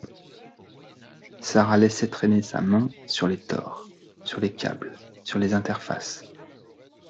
Sara laissait traîner sa main sur les tores, sur les câbles, sur les interfaces